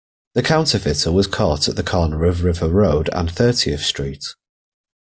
The counterfeiter was caught at the corner of River Road and Thirtieth Street.